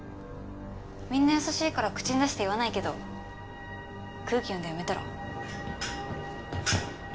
みんな優しいから口に出して言わないけど空気読んで辞めたら？